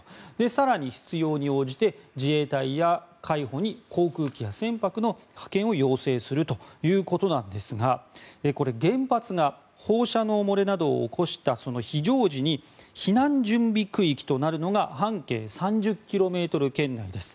更に必要に応じて自衛隊や海保に航空機や船舶の派遣を要請するということですがこれ、原発が放射能漏れなどを起こした非常時に避難準備区域となるのが半径３０ｋｍ圏内です。